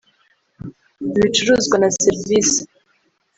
ibicuruzwa na serivisi